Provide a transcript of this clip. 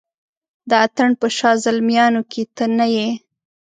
د اتڼ په شاه زلمیانو کې ته نه یې